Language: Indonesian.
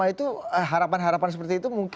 dapat pun nama itu harapan harapan seperti itu mungkin